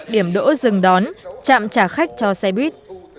điểm đỗ rừng đón chạm trả khách cho xe buýt